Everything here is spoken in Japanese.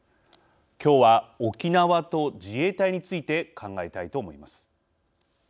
きょうは、沖縄と自衛隊について考えたいと思います。